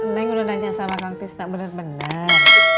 neng udah nanya sama kang cis bener bener